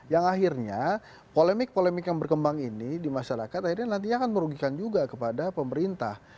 yang akhirnya polemik polemik yang berkembang ini di masyarakat akhirnya nantinya akan merugikan juga kepada pemerintah